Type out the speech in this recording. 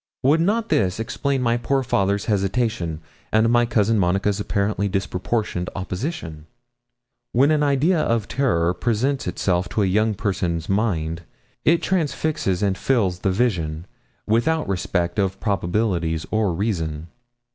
Would not this explain my poor father's hesitation, and my cousin Monica's apparently disproportioned opposition? When an idea of terror presents itself to a young person's mind, it transfixes and fills the vision, without respect of probabilities or reason.